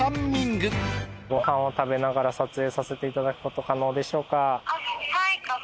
ご飯を食べながら撮影させていただくこと可能でしょうか？